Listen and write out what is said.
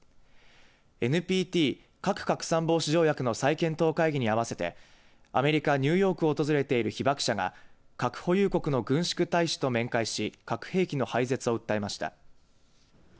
ＮＰＴ、核拡散防止条約の再検討会議に合わせてアメリカ、ニューヨークを訪れている被爆者が核保有国の軍縮大使と面会し核兵器の廃絶を訴えました。